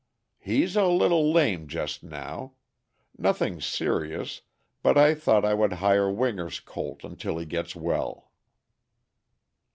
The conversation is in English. "He is a little lame just now. Nothing serious, but I thought I would hire Winger's colt until he gets well."